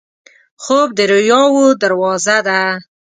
خوب د رویاوو دروازه ده